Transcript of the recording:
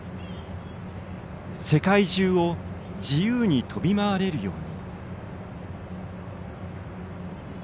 世界中を自由に飛び回れるように。